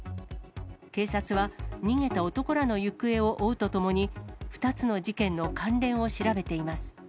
警察は、逃げた男らの行方を追うとともに、２つの事件の関連を調べています。